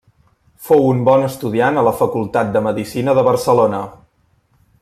Fou un bon estudiant a la Facultat de Medicina de Barcelona.